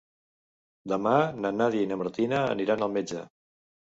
Demà na Nàdia i na Martina aniran al metge.